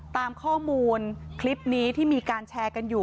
ตามข้อมูลคลิปนี้ที่มีการแชร์กันอยู่